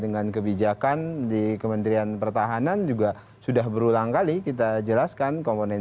dengan kebijakan di kementerian pertahanan juga sudah berulang kali kita jelaskan komponen